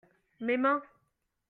mes mains.